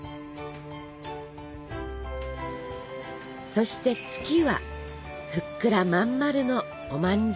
そして「月」はふっくらまん丸のおまんじゅう。